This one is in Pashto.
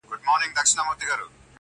نه یوازي د جیولوجي یو لایق انجنیر وو -